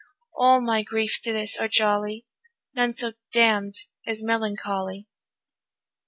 All my griefs to this are jolly, None so damn'd as melancholy.